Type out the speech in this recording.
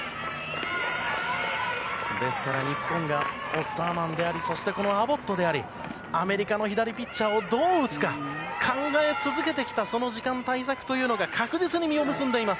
日本がオスターマンでありそして、このアボットでありアメリカの左ピッチャーをどう打つか考え続けてきたその時間、対策というのが確実に実を結んでいます。